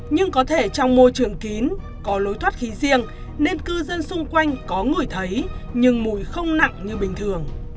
nhưng có thể trong môi trường kín có lối thoát khí riêng nên cư dân xung quanh có ngửi thấy nhưng mùi không nặng như bình thường